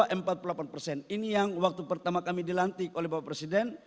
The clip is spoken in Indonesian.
ketiga keempat yang pertama ini adalah yang kami khususkan yang waktu pertama kami dilantik oleh bapak presiden